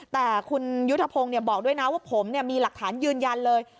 แต่คุณยุทธพงศ์บอกด้วยนะว่าผมมีหลักฐานยืนยันเลย